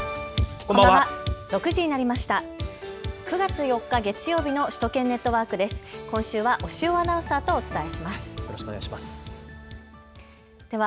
こんばんは。